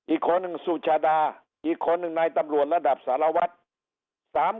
อีกคนหนึ่งสุชาดาอีกคนหนึ่งนายตำรวจระดับสารวัตร